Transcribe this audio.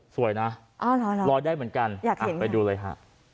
สวยนะอ๋อหรอหรอลอยได้เหมือนกันอยากเห็นอ่ะไปดูเลยฮะ